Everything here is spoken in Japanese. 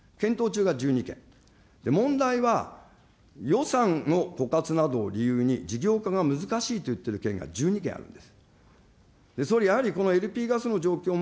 検討中が１２件、問題は、予算の枯渇などを理由に事業化が難しいと言ってる県が１２県あるんです。